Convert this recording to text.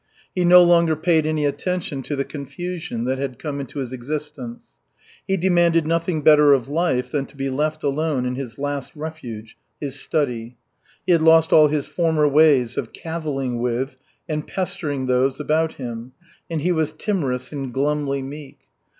He no longer paid any attention to the confusion that had come into his existence. He demanded nothing better of life than to be left alone in his last refuge, his study. He had lost all his former ways of cavilling with and pestering those about him, and he was timorous and glumly meek.